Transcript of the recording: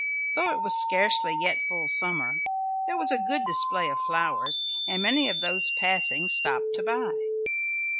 Though it was scarcely yet full summer, there was a good display of flowers, and many of those passing stopped to buy.